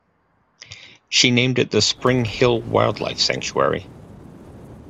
She named it the "Spring Hill Wildlife Sanctuary".